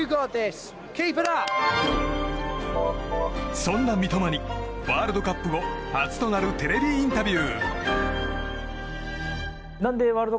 そんな三笘にワールドカップ後初となるテレビインタビュー。